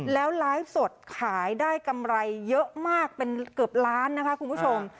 แล้วไลฟ์สดขายได้กำไรเยอะมากเป็นเกือบล้านนะคะคุณผู้ชม